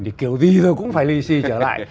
thì kiểu gì rồi cũng phải lì xì trở lại